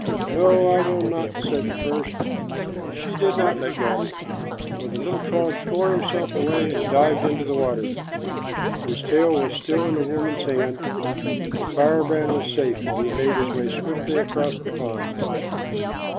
"No, I will not," said the first; but she did let him go, for the little frog tore himself away and dived into the water. His tail was still in the woman's hand, but the firebrand was safe, and he made his way swiftly across the pond.